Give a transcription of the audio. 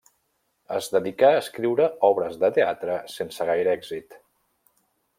Es dedicà a escriure obres de teatre sense gaire èxit.